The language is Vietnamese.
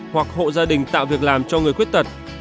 hoặc hộ gia đình tạo việc làm cho người khuyết tật